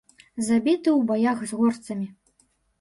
Забіты ў баях з горцамі.